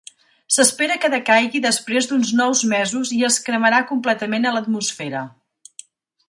S'espera que decaigui després d'uns nous mesos i es cremarà completament a l'atmosfera.